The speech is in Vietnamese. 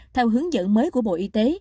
theo hướng dẫn mới của bộ y tế